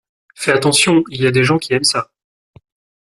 Fais attention, y a des gens qui aiment ça.